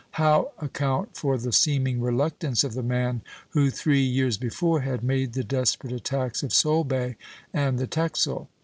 How account for the seeming reluctance of the man who three years before had made the desperate attacks of Solebay and the Texel?